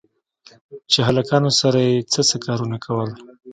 چې هلکانو سره يې څه څه کارونه کول.